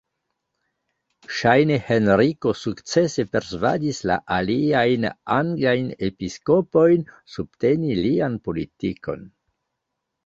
Ŝajne Henriko sukcese persvadis la aliajn anglajn episkopojn subteni lian politikon.